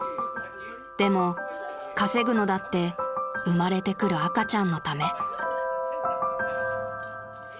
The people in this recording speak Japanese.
［でも稼ぐのだって生まれてくる赤ちゃんのため］